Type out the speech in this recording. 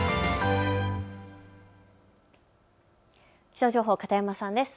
気象情報、片山さんです。